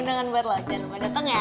jangan lupa dateng ya